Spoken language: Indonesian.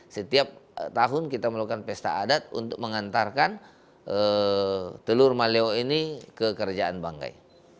setiap tahun kita melakukan pesta adat untuk mengantarkan telur maleo ini ke kerajaan banggai